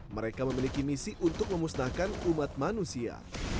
mereka memiliki misi untuk memusnahkan umat manusia